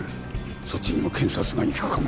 そっちにも検察が行くかも。